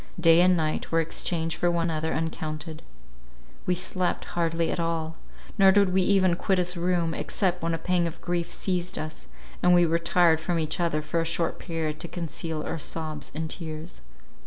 Day and night were exchanged for one another uncounted; we slept hardly at all, nor did we even quit his room, except when a pang of grief seized us, and we retired from each other for a short period to conceal our sobs and tears.